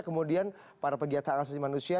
kemudian para pegiat hak asasi manusia